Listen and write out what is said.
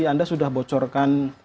anda sudah bocorkan